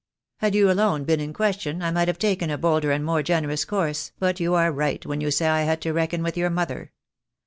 Had you alone been in question I might have taken a j bolder and more generous course, but you are right when you say I had to reckon with your mother.